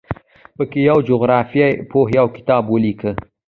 په کې یوه جغرافیه پوه یو کتاب ولیکه.